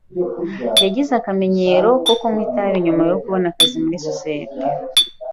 Yagize akamenyero ko kunywa itabi nyuma yo kubona akazi muri sosiyete.